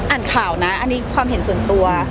อ่านข่าวนะอันนี้ความเห็นส่วนตัว